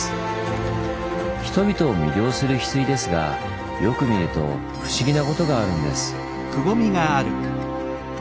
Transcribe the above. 人々を魅了するヒスイですがよく見ると不思議なことがあるんです。